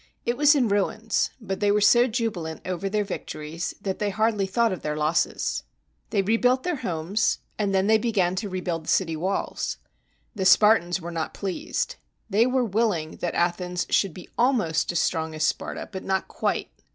It was in ruins; but they were so jubilant over their victories that they hardly thought of their losses. They rebuilt their homes, and then they began to rebuild the city walls. The Spartans were not pleased. They were willing that Athens should be almost as strong as Sparta, but not quite.